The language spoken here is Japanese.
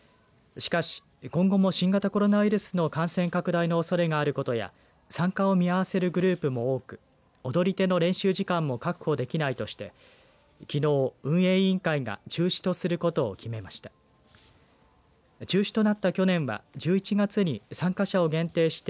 しかし、今後も新型コロナウイルスの感染拡大のおそれがあることや参加を見合わせるグループも多く踊り手の練習時間も確保できないとしてきのう、運営委員会が中止とすることを決めました。